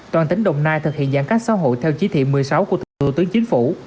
toàn tỉnh đồng nai thực hiện giãn cách xã hội theo chỉ thị một mươi sáu của thủ tướng chính phủ